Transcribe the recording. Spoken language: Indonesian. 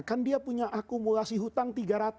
kan dia punya akumulasi hutang tiga ratus